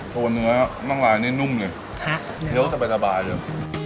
ตัวเนื้อน่องลายอันนี้นุ่มดิเวลาก็จะไปหลบายดิ